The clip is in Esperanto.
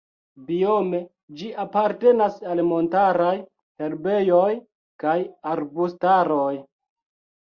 Biome ĝi apartenas al montaraj herbejoj kaj arbustaroj.